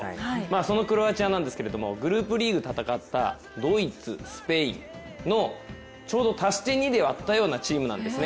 そのクロアチアなんですけれどもグループリーグ戦ったドイツ、スペインのちょうど足して２で割ったようなチームなんですね